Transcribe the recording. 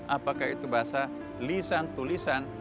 apakah itu bahasa lisan tulisan